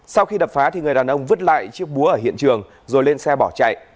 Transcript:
sau khi đập phá thì người đàn ông vứt lại chiếc búa ở hiện trường rồi lên xe bỏ chạy